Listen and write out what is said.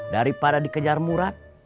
daripada dikejar murad